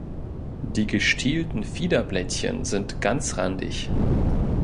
Die gestielten Fiederblättchen sind ganzrandig.